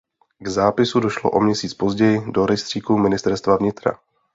K zápisu došlo o měsíc později do rejstříku ministerstva vnitra.